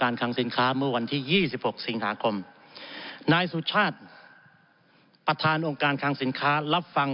เอ๊ะเรามีกรอบอะไรเรื่องบอร์ดเราจะต้องรับรู้ในเรื่องของการทำ